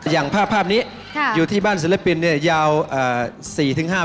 อย่างภาพนี้อยู่ที่บ้านศิลปินเนี่ยยาว๔๕ปี